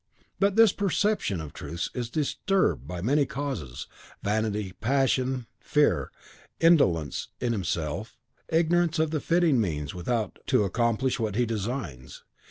But this perception of truths is disturbed by many causes, vanity, passion, fear, indolence in himself, ignorance of the fitting means without to accomplish what he designs.